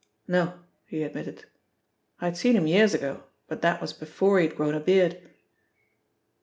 "No," he admitted. "I had seen him years ago, but that was before he had grown a beard."